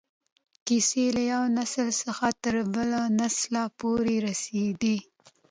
کیسې له یو نسل څخه تر بل نسله پورې رسېدې.